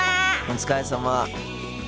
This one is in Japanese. お疲れさま。